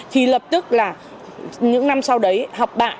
thì lập tức là những năm sau đấy học bạ